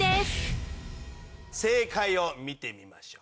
正解を見てみましょう。